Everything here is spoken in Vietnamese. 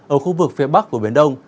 ở khu vực phía bắc của biển đông